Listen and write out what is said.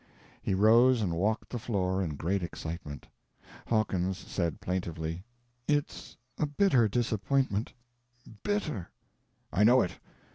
He rose and walked the floor in great excitement. Hawkins said plaintively: "It's a bitter disappointment—bitter." "I know it.